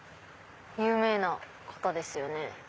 有名な方ですよね。